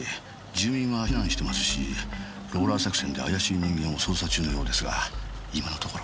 住民は避難してますしローラー作戦で怪しい人間を捜査中のようですが今のところ。